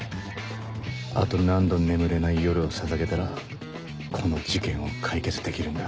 あと何度眠れない夜をささげたらこの事件を解決できるんだ